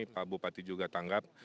pak bupati juga tanggap